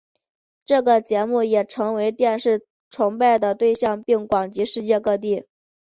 这个节目也成为电视崇拜的对象并扩及世界各地。